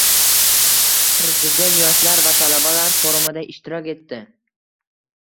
Prezident Yoshlar va talabalar forumida ishtirok etdi